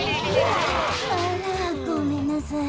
あらごめんなさい。